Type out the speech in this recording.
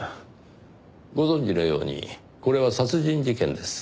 ご存じのようにこれは殺人事件です。